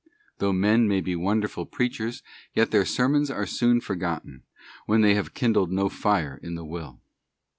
Though men may be wonderful preachers, yet their sermons are soon forgotten, when they kindled no fire in the will.